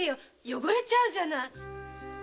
汚れちゃうじゃない！